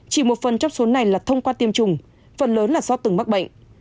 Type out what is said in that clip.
chỉ một phần trong số này là thông qua tiêm chủng phần lớn là do từng mắc bệnh